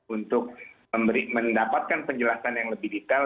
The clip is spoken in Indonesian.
untuk mendapatkan penjelasan yang lebih detail